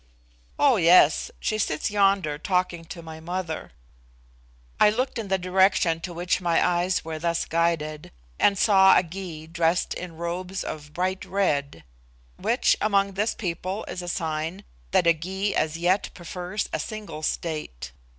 "Oh yes. She sits yonder talking to my mother." I looked in the direction to which my eyes were thus guided, and saw a Gy dressed in robes of bright red, which among this people is a sign that a Gy as yet prefers a single state.